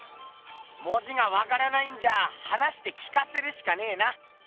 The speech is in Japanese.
文字がわからないんじゃ話して聞かせるしかねえな。